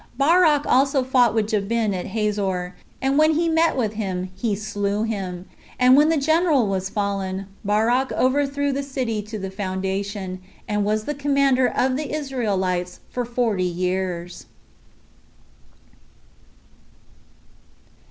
Barak also fought with Jabin at Hazor; and when he met with him, he slew him: and when the general was fallen, Barak overthrew the city to the foundation, and was the commander of the Israelites for forty years.